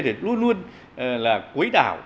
thì luôn luôn là quấy đảo